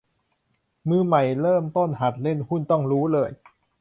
มือใหม่เริ่มต้นหัดเล่นหุ้นต้องรู้เลย